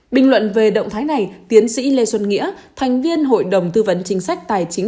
bình luận về động thái này tiến sĩ lê xuân nghĩa thành viên hội đồng tư vấn chính sách tài chính